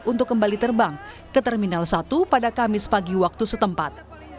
untuk kembali terbang ke terminal satu pada kamis pagi waktu setempat